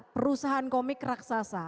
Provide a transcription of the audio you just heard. perusahaan komik raksasa